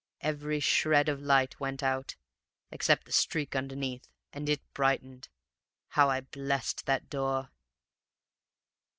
Every shred of light went out, except the streak underneath, and it brightened. How I blessed that door!